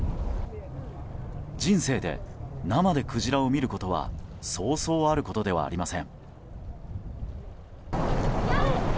人生で生でクジラを見ることはそうそうあることではありません。